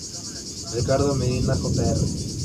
Ricardo Medina, Jr.